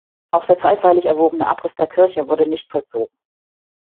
Auch der zeitweilig erwogene Abriss der Kirche wurde nicht vollzogen.